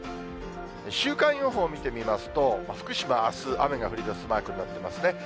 週間予報を見てみますと、福島、あす、雨が降りだすマークになってますね。